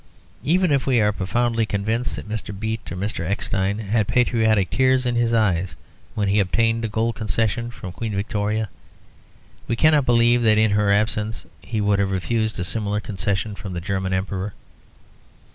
Even if we are profoundly convinced that Mr. Beit or Mr. Eckstein had patriotic tears in his eyes when he obtained a gold concession from Queen Victoria, we cannot believe that in her absence he would have refused a similar concession from the German Emperor.